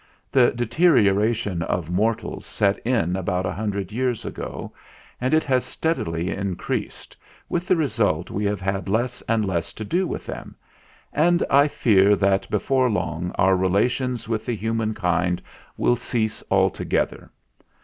The deterioration of mortals set in about a hundred years ago, and it has steadily in creased, with the result we have had less and less to do with them; and I fear that before long our relations with the human kind will cease altogether.